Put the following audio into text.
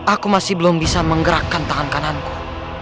aku masih belum bisa menggerakkan tangan kananku